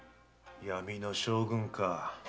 闇の将軍か。